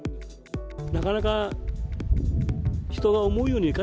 なかなか人が思うようにいか